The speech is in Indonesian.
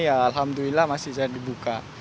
ya alhamdulillah masih bisa dibuka